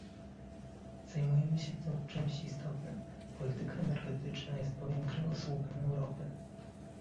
Zajmujemy się tu czymś istotnym, polityka energetyczna jest bowiem kręgosłupem Europy